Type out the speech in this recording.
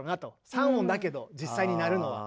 ３音だけど実際に鳴るのは。